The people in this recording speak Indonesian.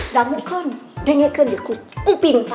damu kan dengekan di kuping mah